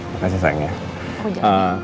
makasih saing ya